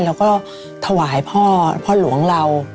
เราก็ถวายพ่อพ่อหลวงเรา